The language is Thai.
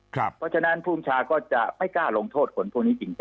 เพราะฉะนั้นภูมิชาก็จะไม่กล้าลงโทษคนพวกนี้จริงจัง